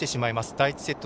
第１セット